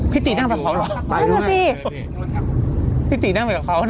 พี่ตีนั่งเฉพาะเขาเหรอ